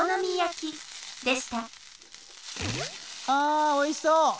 あおいしそう。